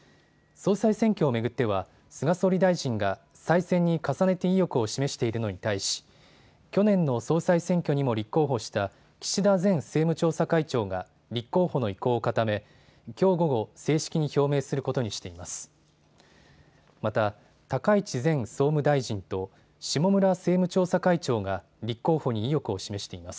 総裁選挙を巡っては菅総理大臣が再選に重ねて意欲を示しているのに対し去年の総裁選挙にも立候補した岸田前政務調査会長が立候補の意向を固め、きょう午後正式に表明することにしています。